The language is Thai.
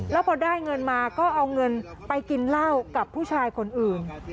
แล้วพอได้เงินมาก็เอาเงินไปกินเหล้ากับผู้ชายคนอื่น